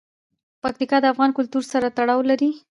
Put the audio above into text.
پکتیا د افغان کلتور سره تړاو لري.